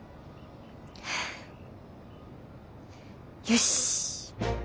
よし！